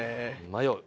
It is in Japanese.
迷う。